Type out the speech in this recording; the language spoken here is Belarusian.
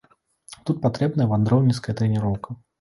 Тут патрэбная вандроўніцкая трэніроўка.